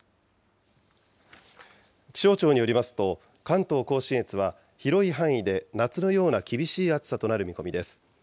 気象庁によりますと、関東甲信越は広い範囲で夏のような厳しい暑さとなる見込みです。